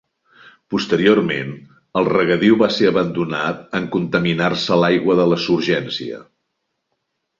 Posteriorment, el regadiu va ser abandonat en contaminar-se l'aigua de la surgència.